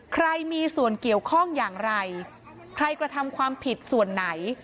ใครมีส่วนเกี่ยวข้องอย่างไรใครกระทำความผิดส่วนไหน